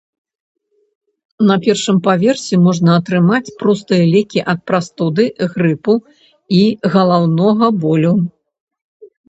На першым паверсе можна атрымаць простыя лекі ад прастуды, грыпу і галаўнога болю.